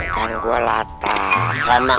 kan gua latar sama